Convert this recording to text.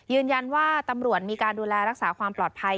ยืนยันว่าตำรวจมีการดูแลรักษาความปลอดภัย